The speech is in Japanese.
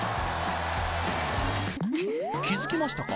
気づきましたか？